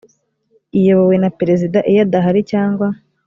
iyobowe na perezida iyo adahari cyangwa